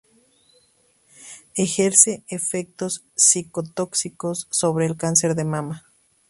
Ejerce efectos cico-tóxicos sobre el cáncer de mama.